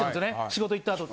仕事行ったあと。